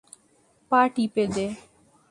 পা টিপে দে।